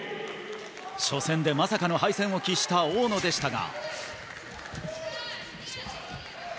初戦でまさかの敗戦を喫した大野でしたが。